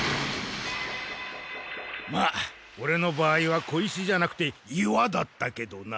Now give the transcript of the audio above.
まあオレの場合は小石じゃなくて岩だったけどな。